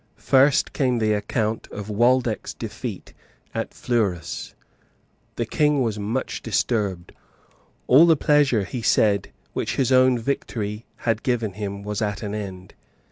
First came the account of Waldeck's defeat at Fleurus. The King was much disturbed. All the pleasure, he said, which his own victory had given him was at an end.